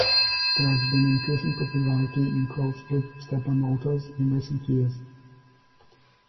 There has been increasing popularity in closed loop stepper motors in recent years.